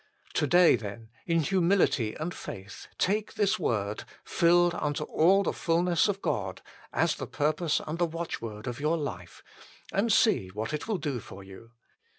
To day, then, in humility and faith take this word, " FILLED UNTO ALL THE FULNESS OF GOD," as the purpose and the watchword of your life, and see what it will do for you.